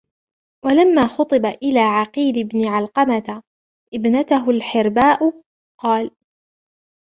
وَلَمَّا خُطِبَ إلَى عَقِيلِ بْنِ عَلْقَمَةَ ابْنَتُهُ الْحِرْبَاءُ قَالَ